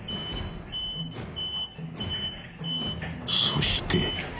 ［そして］